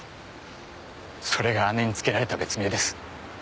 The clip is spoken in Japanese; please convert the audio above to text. それが姉に付けられた別名です。